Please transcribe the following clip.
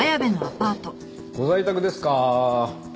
ご在宅ですかー？